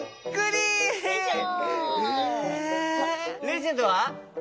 レジェンドは？